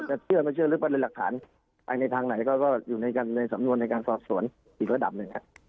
จะเชื่อไม่เชื่อแล้วก็ได้หลักฐานไปในทางไหนก็ก็อยู่ในการในสำนวนในการสอบสวนอีกระดำหนึ่งฮะ